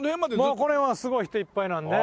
もうこの辺はすごい人いっぱいなんで。